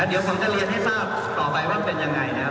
เดี๋ยวผมจะเรียนให้ทราบต่อไปว่าเป็นยังไงนะครับ